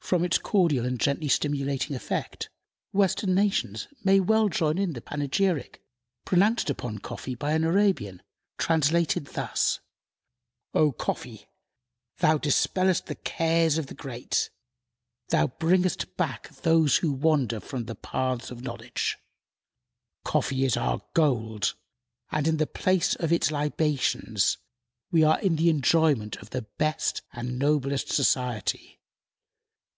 From its cordial and gently stimulating effect, Western nations may well join in the panegyric pronounced upon coffee by an Arabian, translated thus: "O Coffee, thou dispellest the cares of the great; thou bringest back those who wander from the paths of knowledge! Coffee is our gold, and in the place of its libations we are in the enjoyment of the best and noblest society.